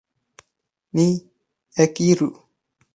Ni ekiru!